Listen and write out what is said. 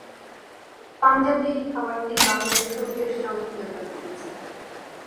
পাঞ্জাবি এই খাবারটি বাংলাদেশেও বেশ জনপ্রিয়তা পেয়েছে।